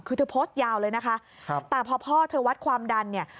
คือเธอโพสต์ยาวเลยนะคะครับแต่พอพ่อเธอวัดความดันเนี่ย